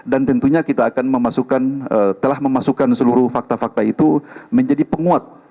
dan tentunya kita akan memasukkan telah memasukkan seluruh fakta fakta itu menjadi penguat